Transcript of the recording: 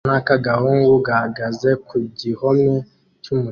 Akana k'agahungu gahagaze ku gihome cy'umucanga